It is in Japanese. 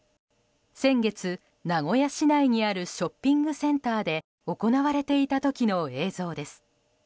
先月、名古屋市内にあるショッピングセンターで行われていた時の映像です。